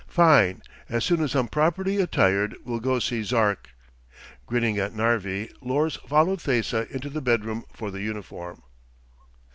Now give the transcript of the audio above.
"Fine. As soon as I'm properly attired, we'll go see Zark." Grinning at Narvi, Lors followed Thesa into the bedroom for the uniform.